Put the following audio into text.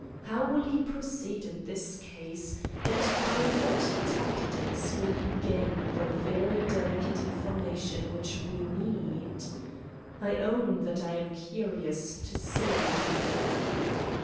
How will he proceed in this case, and by what tactics will he gain the very delicate information which we need? I own that I am curious to see.